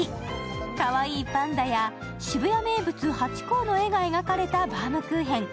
かわいいパンダや渋谷名物ハチ公の絵が描かれたバウムクーヘン。